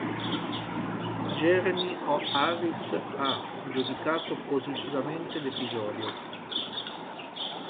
Jeremy O. Harris ha giudicato positivamente l'episodio.